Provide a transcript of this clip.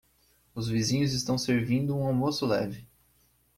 Os vizinhos estão servindo um almoço leve.